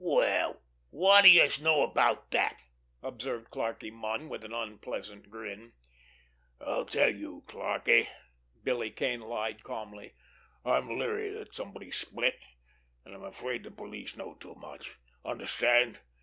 "Well, wot do youse know about dat!" observed Clarkie Munn, with an unpleasant grin. "I'll tell you, Clarkie," Billy Kane lied calmly. "I'm leery that somebody's split, and I'm afraid the police know too much. Understand?